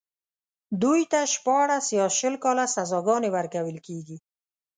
دوی ته شپاړس يا شل کاله سزاګانې ورکول کېږي.